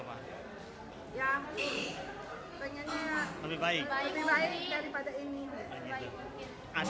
ya pengennya lebih baik daripada ini